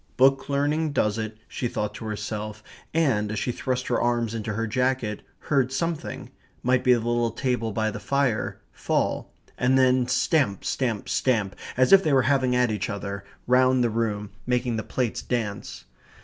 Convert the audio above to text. "Book learning does it," she thought to herself, and, as she thrust her arms into her jacket, heard something might be the little table by the fire fall; and then stamp, stamp, stamp as if they were having at each other round the room, making the plates dance.